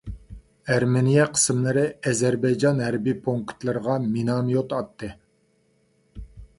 ئەرمېنىيە قىسىملىرى ئەزەربەيجان ھەربىي پونكىتلىرىغا مىناميوت ئاتتى.